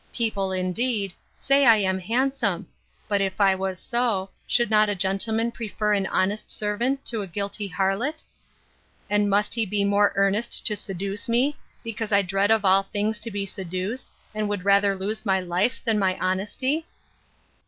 People, indeed, say I am handsome; but if I was so, should not a gentleman prefer an honest servant to a guilty harlot? And must he be more earnest to seduce me, because I dread of all things to be seduced, and would rather lose my life than my honesty?